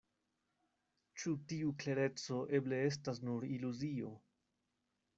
Ĉu tiu klereco eble estas nur iluzio?